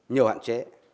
nhiều hạn chế